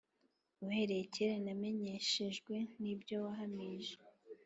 Uhereye kera namenyeshejwe n ibyo wahamije